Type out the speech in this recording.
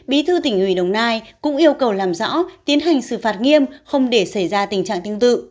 bí thư tỉnh ủy đồng nai cũng yêu cầu làm rõ tiến hành xử phạt nghiêm không để xảy ra tình trạng tương tự